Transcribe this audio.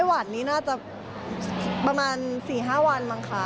เอ่อไต้หวันนี่น่าจะประมาณ๔๕วันบ้างค่ะ